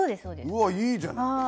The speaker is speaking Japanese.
うわいいじゃないですか。